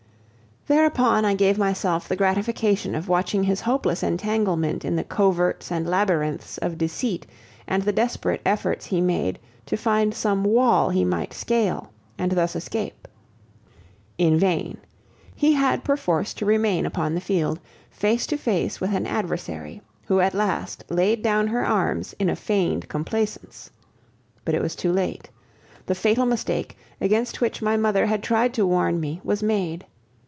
Thereupon I gave myself the gratification of watching his hopeless entanglement in the coverts and labyrinths of deceit and the desperate efforts he made to find some wall he might scale and thus escape. In vain; he had perforce to remain upon the field, face to face with an adversary, who at last laid down her arms in a feigned complacence. But it was too late. The fatal mistake, against which my mother had tried to warm me, was made.